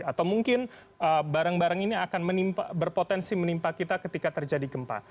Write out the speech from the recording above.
atau mungkin barang barang ini akan berpotensi menimpa kita ketika terjadi gempa